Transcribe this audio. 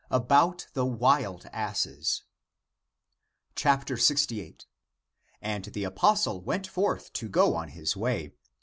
about the wild asses. {Aa. pp. 185 197) 68. And the apostle went forth to go on his way.